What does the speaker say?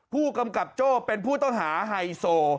ผู้กำกับโจ้เป็นผู้ต้องหาไฮโซ